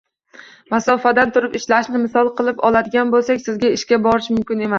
Masofadan turib ishlashni misol qilib oladigan boʻlsak, sizga ishga borish muhim emas